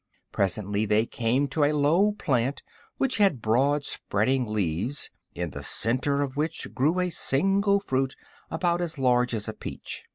Presently they came to a low plant which had broad, spreading leaves, in the center of which grew a single fruit about as large as a peach.